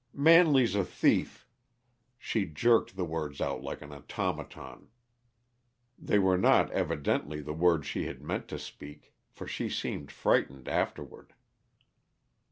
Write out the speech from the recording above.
"Manley's a thief!" She jerked the words out like as automaton. They were not, evidently, the Words she had meant to speak, for she seemed frightened afterward.